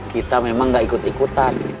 kita memang gak ikut ikutan